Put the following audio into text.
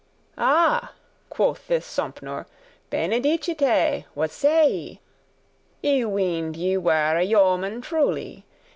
"Ah," quoth this Sompnour, "benedicite! what say y'? I weened ye were a yeoman truly.